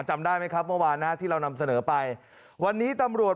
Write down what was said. จำได้ไหมครับเมื่อวานนะฮะที่เรานำเสนอไปวันนี้ตำรวจ